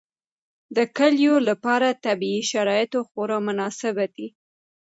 د کلیو لپاره طبیعي شرایط خورا مناسب دي.